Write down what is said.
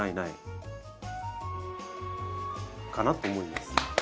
かなと思います。